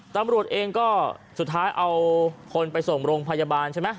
ตำรวจเองก็สุดท้ายเอาคนไปส่งโรงพยาบาลใช่ไหม